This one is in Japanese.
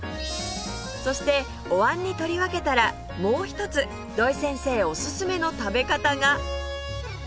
そしてお椀に取り分けたらもうひとつ土井先生おすすめの食べ方が